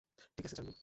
ঠিক আছে, চান্ডু।